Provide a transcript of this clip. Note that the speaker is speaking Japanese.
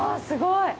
すごい。